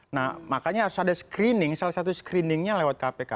nah makanya harus ada screening salah satu screeningnya lewat kpk